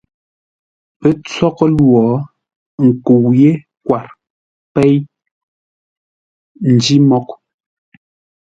Pə́ tsóghʼə́ lwô ndə̂, nkəu yé kwar péi nj́-mǒghʼ.